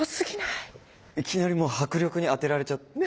いきなりもう迫力にあてられちゃって。